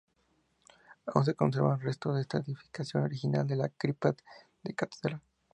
Aun se conservan restos de esta edificación original en la cripta de la catedral.